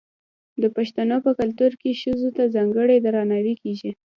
د پښتنو په کلتور کې ښځو ته ځانګړی درناوی کیږي.